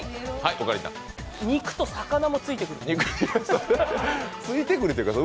肉と魚もついてくる。